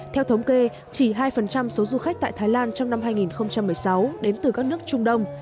theo thống kê chỉ hai số du khách tại thái lan trong năm hai nghìn một mươi sáu đến từ các nước trung đông